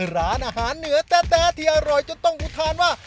ร้านอาหารเหนือแต๊ที่อร่อยจนต้องอุทานว่า